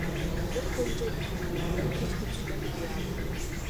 Өрт боюнча билдирүү абдан кеч түшкөн, — деди ал.